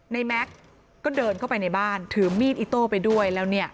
แม็กซ์ก็เดินเข้าไปในบ้านถือมีดอิโต้ไปด้วยแล้วเนี่ย